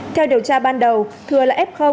theo điều tra ban đầu thừa là f